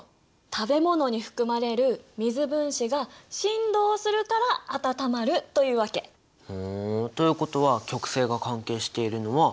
食べ物に含まれる水分子が振動するから温まるというわけ。ということは極性が関係しているのは①。